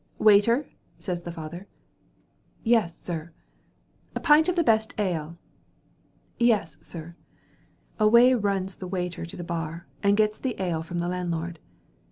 'Waiter!' says the father. 'Yes. Sir.' 'Pint of the best ale!' 'Yes, Sir.' Away runs the waiter to the bar, and gets the ale from the landlord.